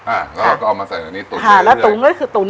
อ่ะแล้วเราก็เอามาใส่ในนี้ตุ๋นค่ะแล้วตุ๋นก็คือตุ๋น